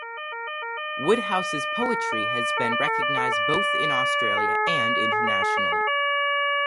Woodhouse’s poetry has been recognised both in Australia and internationally.